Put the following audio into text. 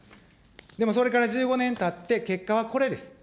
でもそれから１５年たって結果はこれです。